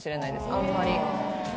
あんまり。